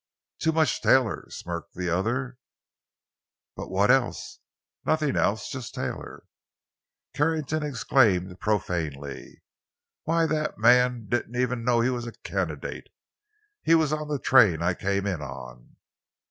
"Too much Taylor," smirked the other. "But what else?" "Nothing else—just Taylor." Carrington exclaimed profanely. "Why, the man didn't even know he was a candidate! He was on the train I came in on!"